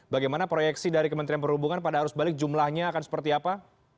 bagaimana proyeksi dari kementerian perhubungan pada arus balik jumlahnya akan seperti apa